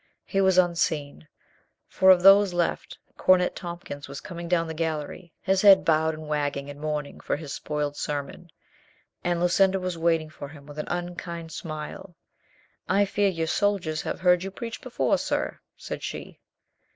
He was unseen, for of those left Cornet Tompkins was coming down the gallery, his head bowed and wagging in mourn ing for his spoiled sermon, and Lucinda was waiting for him with an unkind smile. "I fear your soldiers have heard you preach be |fore, sir," said she.